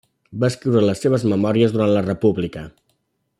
Va escriure les seves memòries durant la República.